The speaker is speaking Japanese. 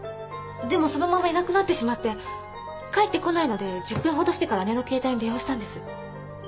でもそのままいなくなってしまって帰ってこないので１０分ほどしてから姉の携帯に電話したんです